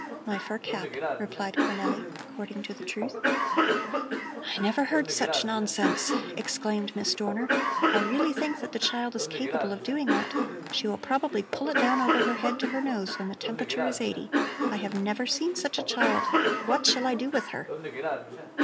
"My fur cap," replied Cornell, according to the truth. "I never heard such nonsense," exclaimed Miss Dorner. "I really think that the child is capable of doing that. She will probably pull it down over her head to her nose when the temperature is eighty. I have never seen such a child. What shall I do with her?"